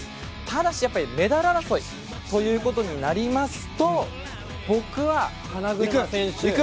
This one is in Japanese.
ただし、メダル争いということになりますと僕は花車選手